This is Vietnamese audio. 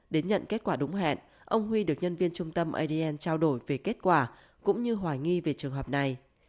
đến nhận kết quả đúng hẹn ông huy được nhân viên trung tâm adn trao đổi về kết quả cũng như hoài nghi về trường hợp này